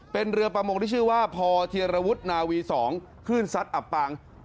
เป็นเรือประมงที่ชื่อว่าพอเทียรวุฒนาวี๒คลื่นซัดอับปาง